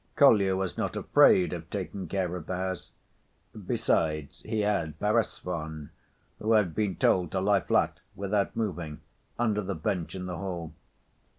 Kolya was not afraid of taking care of the house, besides he had Perezvon, who had been told to lie flat, without moving, under the bench in the hall.